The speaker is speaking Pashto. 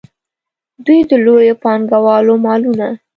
دوی د لویو پانګوالو مالونه.